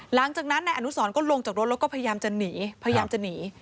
หลังจากนั้นนายอนุสรก็ลงจากรถแล้วก็พยายามจะหนีพยายามจะหนี